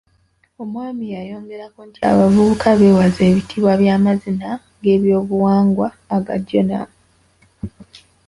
Omwami yayongerako nti abavubuka beewaze ebitiibwa by'amazina g'ebyobuwangwa aga Jonam.